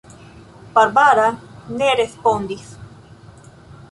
Barbara ne respondis.